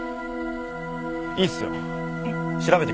いいっすよ。